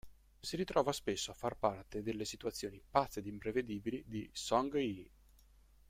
Si ritrova spesso a far parte delle situazioni pazze ed imprevedibili di Song-yi.